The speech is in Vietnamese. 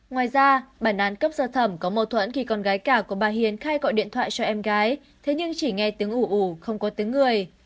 ngoài ra bản án cấp sơ thẩm có mâu thuẫn khi con gái cả của bà hiền khai gọi điện thoại cho em gái thế nhưng chỉ nghe tiếng ủ ủ không có tiếng người